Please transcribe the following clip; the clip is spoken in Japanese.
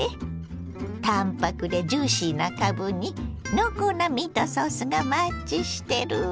淡泊でジューシーなかぶに濃厚なミートソースがマッチしてるわ。